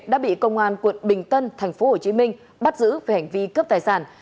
đã bị công an quận bình tân tp hcm bắt giữ về hành vi cướp tài sản